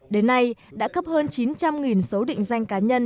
đến nay đã cấp hợp với bộ tư pháp triển khai thực hiện việc cấp số định danh cá nhân